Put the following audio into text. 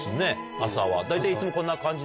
朝は大体いつもこんな感じでしょうか？